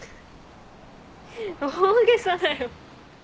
大げさだよ。